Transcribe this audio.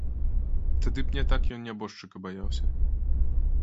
Тады б не так ён нябожчыка баяўся.